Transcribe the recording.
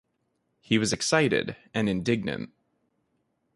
He was excited and indignant.